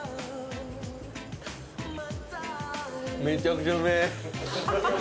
めちゃくちゃうめえ。